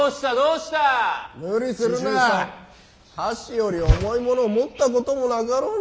箸より重いもの持ったこともなかろうに！